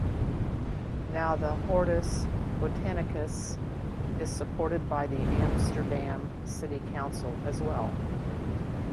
Now the "Hortus Botanicus" is supported by the Amsterdam City Council as well.